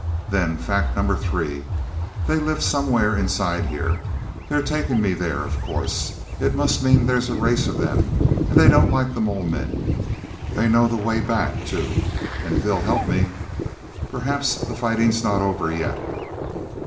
Then fact No. 3. "They live somewhere inside here. They're taking me there, of course. It must mean there's a race of them—and they don't like the mole men. They know the way back, too, and if they'll help me.... Perhaps the fighting's not over yet!"